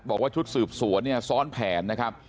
บอกว่าชุดสืบสวนเนี่ยซ้อนแผนนะครับ